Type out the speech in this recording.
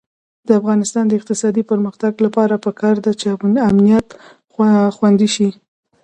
د افغانستان د اقتصادي پرمختګ لپاره پکار ده چې امنیت خوندي شي.